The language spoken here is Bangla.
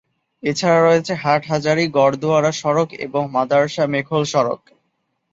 এছাড়া রয়েছে হাটহাজারী-গড়দুয়ারা সড়ক এবং মাদার্শা-মেখল সড়ক।